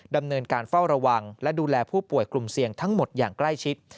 ดำเนินการเฝ้าระวังและดูแลผู้ป่วยกลุ่มเสี่ยงทั้งหมดอย่างใกล้ชิด